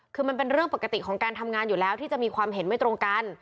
คือมันเป็นเรื่องปกติของการทำงานอยู่แล้วที่จะมีความเห็นไม่ตรงกัน